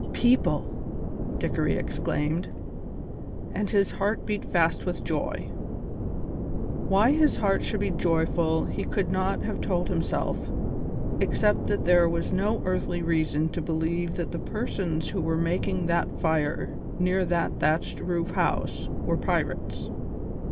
"People!" Dickory exclaimed, and his heart beat fast with joy. Why his heart should be joyful he could not have told himself except that there was no earthly reason to believe that the persons who were making that fire near that thatched roof house were pirates.